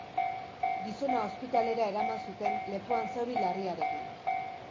Gizona ospitalera eraman zuten lepoan zauri larriarekin.